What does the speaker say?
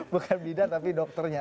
bukan bidan tapi dokternya